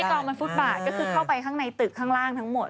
กองมันฟุตบาทก็คือเข้าไปข้างในตึกข้างล่างทั้งหมด